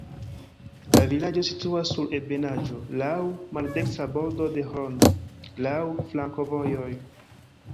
La vilaĝo situas sur ebenaĵo, laŭ maldekstra bordo de Hron, laŭ flankovojoj.